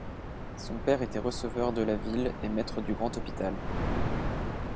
Son père était receveur de la ville et maître du grand Hôpital.